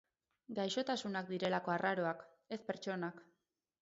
Gaixotasunak direlako arraroak, ez pertsonak.